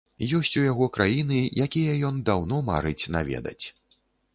Ёсць у яго краіны, якія ён даўно марыць наведаць.